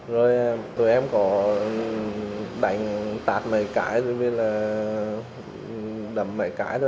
rồi tụi em có đánh tạt mấy cái rồi mới là đấm mấy cái thôi ạ